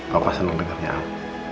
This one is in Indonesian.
papa senang dengarnya al